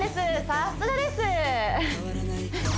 さすがです！